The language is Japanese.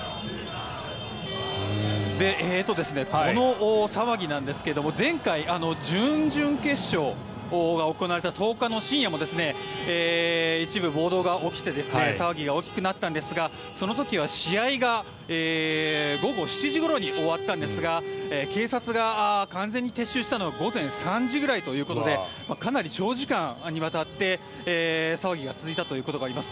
この騒ぎなんですが前回、準々決勝が行われた１０日の深夜も一部、暴動が起きて騒ぎが大きくなったんですがその時は試合が午後７時ごろに終わったんですが警察が完全に撤収したのは午前３時くらいということでかなり長時間にわたって騒ぎが続いたということがあります。